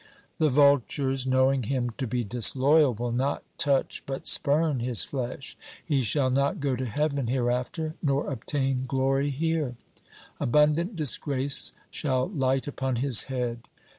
The vultures, knowing him to be disloyal, will not touch but spurn his flesh. He shall not go to heaven hereafter, nor obtain glory here ; abundant disgrace shall light upon his head.